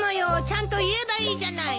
ちゃんと言えばいいじゃない。